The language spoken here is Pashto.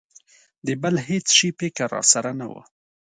د بل هېڅ شي فکر را سره نه و.